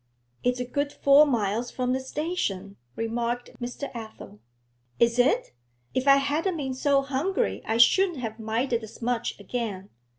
'It's a good four miles from the station,' remarked Mr. Athel. 'Is it? If I hadn't been so hungry I shouldn't have minded as much again.